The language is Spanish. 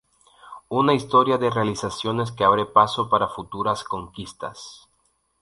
Una historia de realizaciones que abre paso para futuras conquistas.